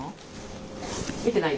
見てないよ私。